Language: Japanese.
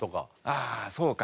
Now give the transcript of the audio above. ああそうか。